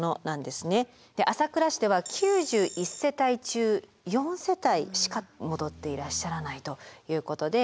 朝倉市では９１世帯中４世帯しか戻っていらっしゃらないということで。